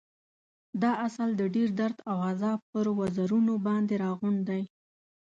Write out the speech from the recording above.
دا عسل د ډېر درد او عذاب پر وزرونو باندې راغونډ دی.